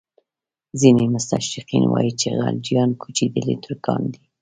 ځینې مستشرقین وایي چې خلجیان کوچېدلي ترکان دي.